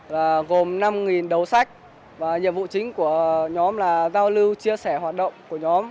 là gồm năm đầu sách và nhiệm vụ chính của nhóm là giao lưu chia sẻ hoạt động của nhóm